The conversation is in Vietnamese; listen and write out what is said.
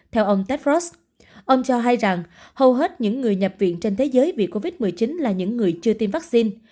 theo ông tedfrost ông cho hay rằng hầu hết những người nhập viện trên thế giới vì covid một mươi chín là những người chưa tiêm vaccine